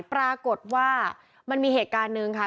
ปรากฏว่ามันมีเหตุการณ์หนึ่งค่ะ